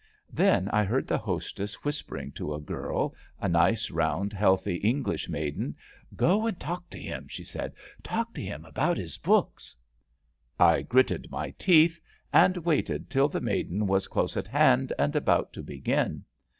Then I heard the hostess whispering to a girl, a nice, round, healthy English maiden. '* Go and talk to him,'' she said. *' Talk to him about his books." I gritted my teeth, and waited till the maiden was close at hand and about to begin.